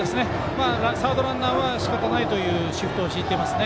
サードランナーはしかたないというシフトを敷いてますね。